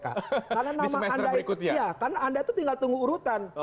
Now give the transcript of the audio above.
karena anda itu tinggal tunggu urutan